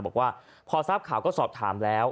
บอกว่าพอทราบข่าวก็สอบถามแล้ว